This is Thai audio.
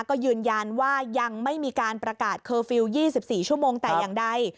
ก็ยืนยันว่ายังไม่มีการประกาศเคอร์ฟิลล์๒๔ชั่วโมงแต่อย่างใด